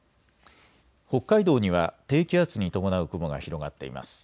北海道には低気圧に伴う雲が広がっています。